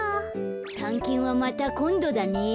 たんけんはまたこんどだね。